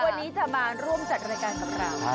วันนี้จะมาร่วมจัดรายการกับเรา